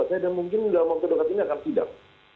dan mungkin dalam waktu dekat ini akan sidang